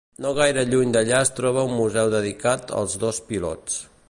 No gaire lluny d'allà es troba un museu dedicat als dos pilots.